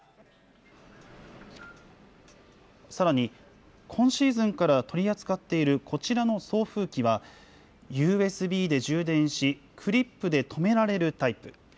さらに、今シーズンから取り扱っているこちらの送風機は、ＵＳＢで充電し、クリップで留められるタイプ。